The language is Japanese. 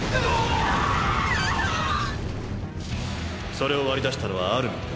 それを割り出したのはアルミンだ。